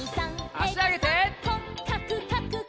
あしあげて。